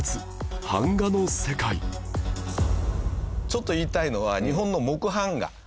ちょっと言いたいのは日本の木版画。